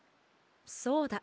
そうだ。